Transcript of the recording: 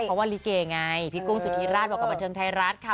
เพราะว่าลิเกไงพี่กุ้งสุธิราชบอกกับบันเทิงไทยรัฐค่ะ